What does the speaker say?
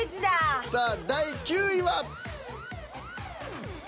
さあ第９位は。